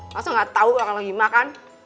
masih gak tau lagi makan